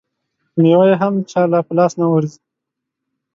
مېوه یې هم چا له په لاس نه ورځي.